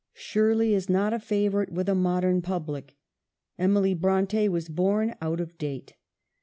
' Shir ley' is not a favorite with a modern public. Emily Bronte was born out of date.